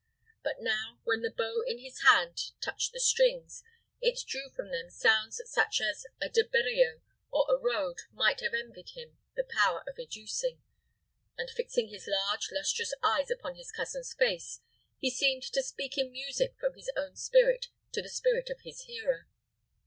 But now, when the bow in his hand touched the strings, it drew from them sounds such as a De Beriot or a Rhode might have envied him the power of educing; and, fixing his large, lustrous eyes upon his cousin's face, he seemed to speak in music from his own spirit to the spirit of his hearer.